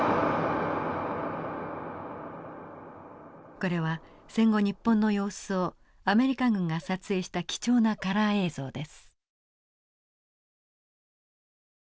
これは戦後日本の様子をアメリカ軍が撮影した貴重なカラー映像です。